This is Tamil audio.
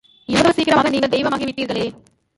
இவ்வளவு சீக்கிரமாக நீங்கள் தெய்வமாகி விட்டீர்களே!...